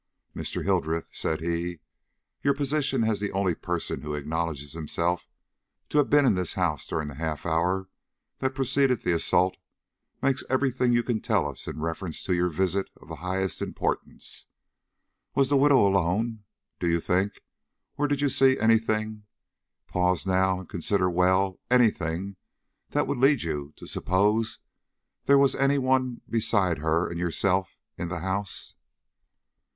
"Mr. Hildreth," said he, "your position as the only person who acknowledges himself to have been in this house during the half hour that preceded the assault, makes every thing you can tell us in reference to your visit of the highest importance. Was the widow alone, do you think, or did you see any thing pause now and consider well any thing that would lead you to suppose there was any one beside her and yourself in the house?"